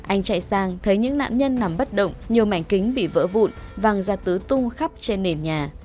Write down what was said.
anh chạy sang thấy những nạn nhân nằm bất động nhiều mảnh kính bị vỡ vụn vang ra tứ tung khắp trên nền nhà